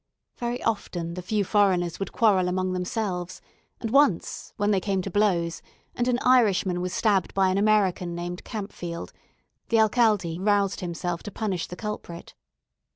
Very often the few foreigners would quarrel among themselves; and once when they came to blows, and an Irishman was stabbed by an American named Campfield, the alcalde roused himself to punish the culprit.